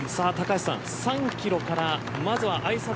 ３キロからまずはあいさつ